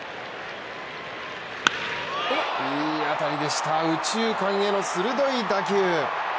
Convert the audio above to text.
いい当たりでした右中間への鋭い打球。